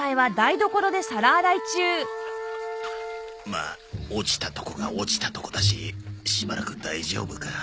まあ落ちたとこが落ちたとこだししばらく大丈夫か